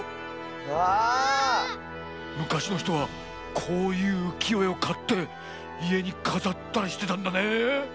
うわあ！むかしのひとはこういううきよえをかっていえにかざったりしてたんだね。